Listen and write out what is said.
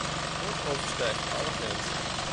Sport overstijgt alle grenzen.